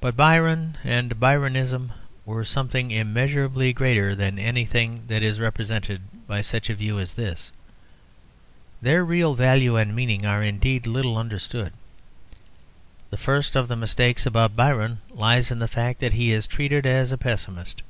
But Byron and Byronism were something immeasurably greater than anything that is represented by such a view as this: their real value and meaning are indeed little understood. The first of the mistakes about Byron lies in the fact that he is treated as a pessimist.